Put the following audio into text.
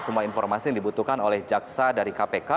semua informasi yang dibutuhkan oleh jaksa dari kpk